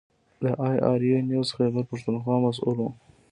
د اې ار یو نیوز خیبر پښتونخوا مسوول و.